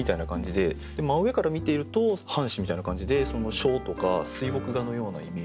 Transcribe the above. で真上から見ていると半紙みたいな感じで書とか水墨画のようなイメージ。